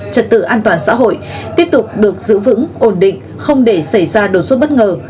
trật tự an toàn xã hội tiếp tục được giữ vững ổn định không để xảy ra đột xuất bất ngờ